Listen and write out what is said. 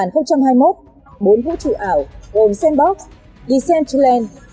trong năm hai nghìn hai mươi một bốn vũ trụ ảo gồm sandbox decentraland